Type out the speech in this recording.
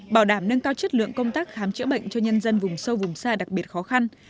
bảo đảm nâng cao chất lượng công tác khám chữa bệnh cho nhân dân vùng sâu vùng xa đặc biệt khó khăn